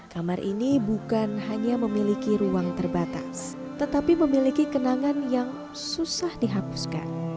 kamar ini bukan hanya memiliki ruang terbatas tetapi memiliki kenangan yang susah dihapuskan